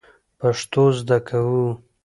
پښتو زده کوو